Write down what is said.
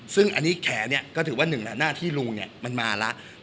ซึ่งอันนี้แขเนี่ยก็ถือว่าหนึ่งหน้าที่ลุงมันมาแล้ว